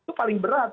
itu paling berat